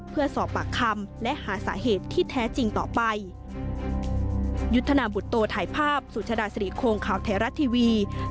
เพื่อสอบปากคำและหาสาเหตุที่แท้จริงต่อไป